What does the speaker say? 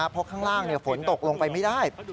เพราะข้างล่างฝนตกลงไปไม่ได้